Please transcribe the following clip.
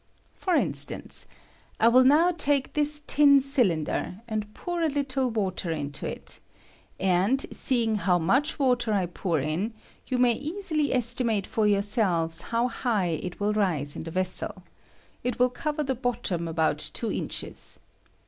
For instance, I will now take this tin cylinder, and pour a little water into it, and, seeing how much water I pour in, you may easily estimate for yourselves how high it will rise in the vessel ; it will cov er the bottom about two inches.